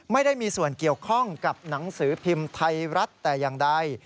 ไม่ได้มีส่วนเกี่ยวข้องกับหนังสือพิมพ์ไทยรัฐแต่อย่างใด